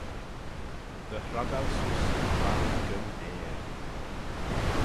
Dy hroggal seose yn chloan gyn ayr.